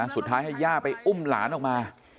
สุดท้ายให้ย่าไปอุ้มหลานออกมา